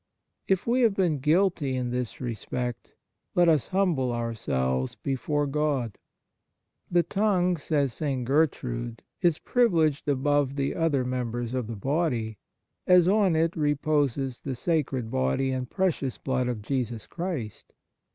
If we have been guilty in this respect, let us humble ourselves before God. 30 Eighth Characteristic " The tongue," says St. Gertrude, " is pri vileged above the other members of the body, as on it reposes the sacred body and precious blood of Jesus Christ.